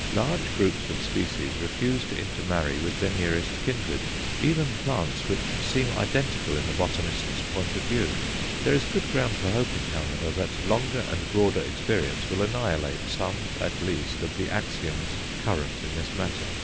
Large groups of species refuse to inter marry with their nearest kindred, even plants which seem identical in the botanist's point of view. There is good ground for hoping, however, that longer and broader experience will annihilate some at least of the axioms current in this matter.